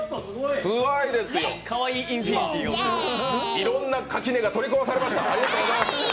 いろんな垣根が取り壊されました。